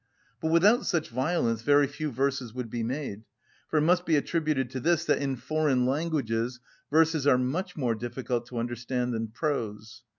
But without such violence very few verses would be made; for it must be attributed to this that in foreign languages verses are much more difficult to understand than prose.